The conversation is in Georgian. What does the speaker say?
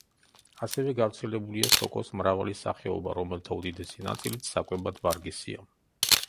ასევე გავრცელებულია სოკოს მრავალი სახეობა, რომელთა უდიდესი ნაწილიც საკვებად ვარგისია.